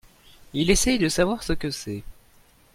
Il essaye de savoir ce que c'est.